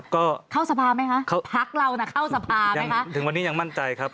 พักเราเข้าสภาไหมคะถึงวันนี้ยังมั่นใจครับ